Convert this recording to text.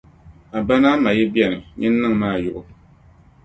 A ba ni a ma yi be ni, nyin niŋim a yubu.